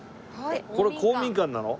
これ公民館なの？